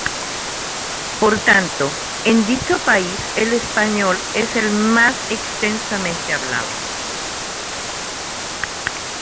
Por tanto, en dicho país el español es el más extensamente hablado.